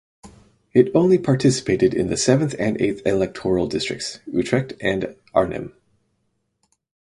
It only participated in the seventh and eighth electoral districts (Utrecht and Arnhem).